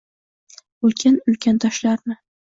Ulkan-ulkan toshlarni